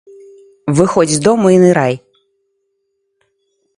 Выходзь з дому і нырай.